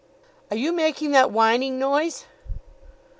"Are you making that whining noise?"